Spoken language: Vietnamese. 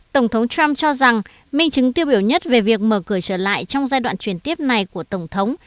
tổng thống trump cho rằng minh chứng tiêu biểu nhất về việc mở cửa trở lại trong giai đoạn truyền tiếp này của tổng thống